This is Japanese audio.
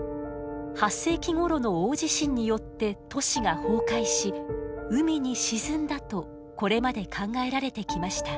８世紀ごろの大地震によって都市が崩壊し海に沈んだとこれまで考えられてきました。